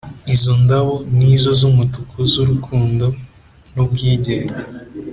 izo ndabo nizo z’umutuku z’urukundo n’ubwigenge.